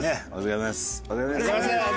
お疲れさまです。